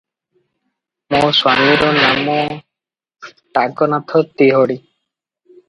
ମୋ ସ୍ୱାମୀର ନାମ ଟାଗନାଥ ତିହଡି ।